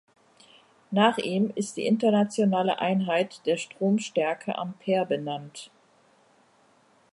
Nach ihm ist die internationale Einheit der Stromstärke Ampere benannt.